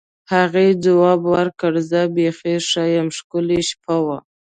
هغې ځواب ورکړ: زه بیخي ښه یم، ښکلې شپه وه.